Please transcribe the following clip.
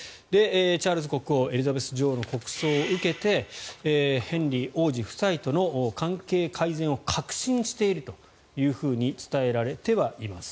チャールズ国王エリザベス女王の国葬を受けてヘンリー王子夫妻との関係改善を確信しているというふうに伝えられてはいます。